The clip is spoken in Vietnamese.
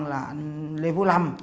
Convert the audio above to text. là anh lê vũ lâm